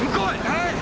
はい！